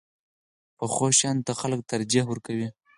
پخو شیانو ته خلک ترجیح ورکوي